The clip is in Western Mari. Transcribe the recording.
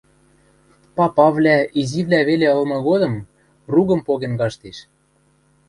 папавлӓ, изивлӓ веле ылмы годым, ругым поген каштеш.